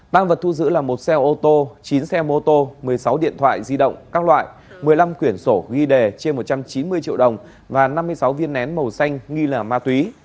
tăng vật thu giữ là một xe ô tô chín xe mô tô một mươi sáu điện thoại di động các loại một mươi năm quyển sổ ghi đề trên một trăm chín mươi triệu đồng và năm mươi sáu viên nén màu xanh nghi là ma túy